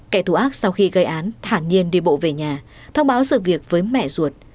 kẻ thù ác sau khi gây án thản nhiên đi bộ về nhà thông báo sự việc với mẹ ruột